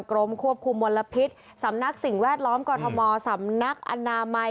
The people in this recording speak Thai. กรมควบคุมมลพิษสำนักสิ่งแวดล้อมกรทมสำนักอนามัย